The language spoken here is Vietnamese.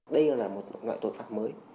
đây là một loại tội phạm mới